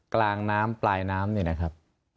กลางน้ำปลายน้ำเนี่ยนะครับ